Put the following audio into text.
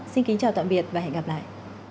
xin kính chào tạm biệt và hẹn gặp lại